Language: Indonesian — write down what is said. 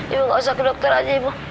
ibu gak usah ke dokter aja ibu